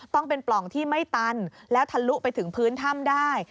ต้องเป็นปล่องที่ไม่ตันแล้วทะลุไปถึงพื้นถ้ำได้